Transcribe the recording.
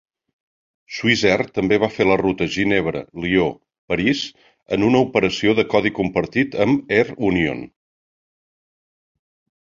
Swissair també va fer la ruta Ginebra-Lió-París en una operació de codi compartit amb Air Union.